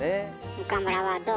岡村はどう？